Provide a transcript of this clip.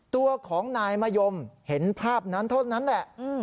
ตัวของนายมะยมเห็นภาพนั้นเท่านั้นแหละ